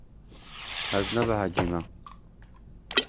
Ez nebehecî me.